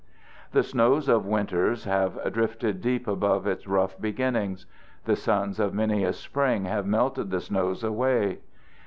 The snows of winters have drifted deep above its rough beginnings; the suns of many a spring have melted the snows away.